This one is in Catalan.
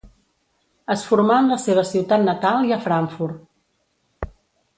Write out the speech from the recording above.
Es formà en la seva ciutat natal i a Frankfurt.